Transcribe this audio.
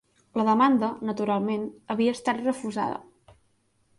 La demanda, naturalment, havia estat refusada.